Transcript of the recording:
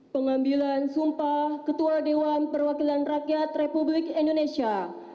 pengambilan sumpah ketua dewan perwakilan rakyat republik indonesia